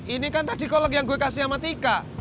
ini kan tadi kolek yang gue kasih sama tika